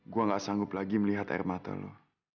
gue gak sanggup lagi melihat air mata lo